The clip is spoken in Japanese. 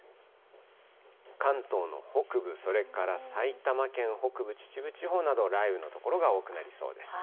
関東の北部、それから埼玉県北部、秩父地方など、雷雨の所が多くなりそうです。